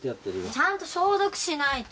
ちゃんと消毒しないと。